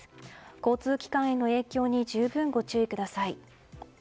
交通機関への影響に十分ご注意ください。